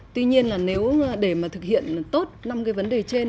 tuy nhiên là để thực hiện tốt năm vấn đề trên